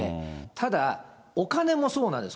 ただ、お金もそうなんです。